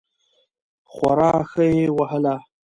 خورا ښه یې وهله.